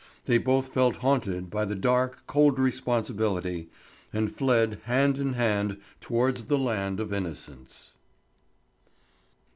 They both felt haunted by the dark, cold responsibility, and fled hand in hand towards the land of innocence.